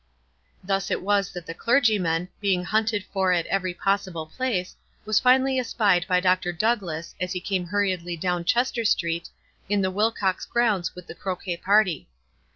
Thus it was that the clergyman, being hunted for at every probable place, was finally espied by Dr. Douglass, as he came hurriedly down Chester Street, in the Wilcox grounds, with the croquet party.